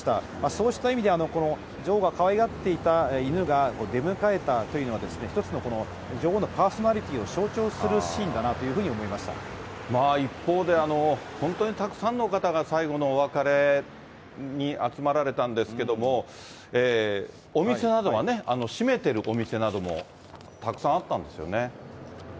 そうした意味で、この女王がかわいがっていた犬が出迎えたというのは、一つの女王のパーソナリティーを象徴するシーンだなというふうに一方で、本当にたくさんの方が最後のお別れに集まられたんですけども、お店などはね、閉めてるお店などもたくさんあったんですよね。